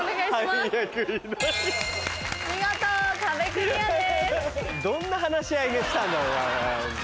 見事壁クリアです。